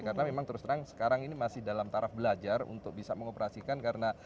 karena memang terus terang sekarang ini masih dalam taraf belajar untuk bisa mengoperasikan karena